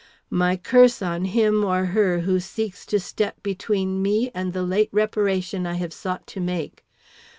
"My curse on him or her who seeks to step between me and the late reparation I have sought to make.